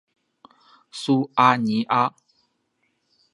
苏阿尼阿。